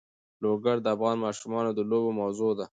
لوگر د افغان ماشومانو د لوبو موضوع ده.